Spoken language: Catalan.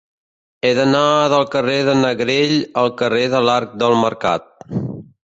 He d'anar del carrer de Negrell al carrer de l'Arc del Mercat.